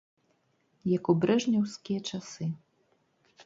Як у брэжнеўскія часы.